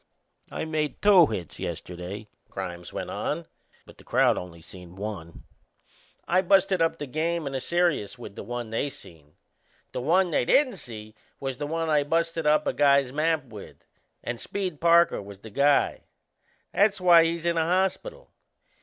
"I made two hits yesterday," Grimes went on, "but the crowd only seen one. I busted up the game and the serious with the one they seen. The one they didn't see was the one I busted up a guy's map with and Speed Parker was the guy. That's why he's in a hospital.